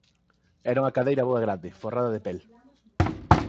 Era unha cadeira boa e grande, forrada de pel.